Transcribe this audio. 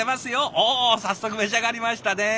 おっ早速召し上がりましたね。